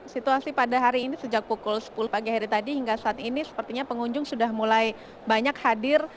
situasi pada hari ini sejak pukul sepuluh pagi hari tadi hingga saat ini sepertinya pengunjung sudah mulai banyak hadir